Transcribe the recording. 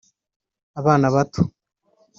abana bato